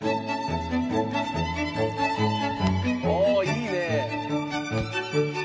あいいね。